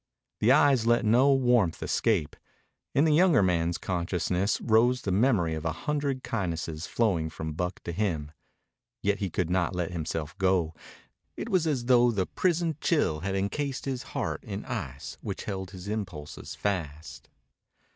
The eyes let no warmth escape. In the younger man's consciousness rose the memory of a hundred kindnesses flowing from Buck to him. Yet he could not let himself go. It was as though the prison chill had encased his heart in ice which held his impulses fast.